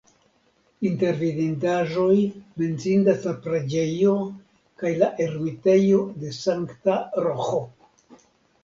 Inter vidindaĵoj menciindas la preĝejo kaj la ermitejo de Sankta Roĥo.